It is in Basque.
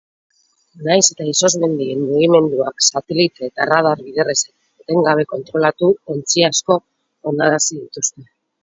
Nahiz eta izozmendien mugimenduak satelite eta radar bidez etengabe kontrolatu, ontzi asko hondarazi dituzte.